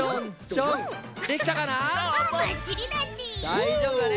だいじょうぶだね。